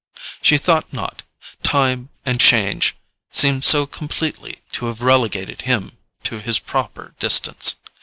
She thought not—time and change seemed so completely to have relegated him to his proper distance.